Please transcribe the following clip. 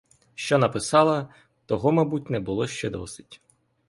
Що написала — того, мабуть, не було ще досить.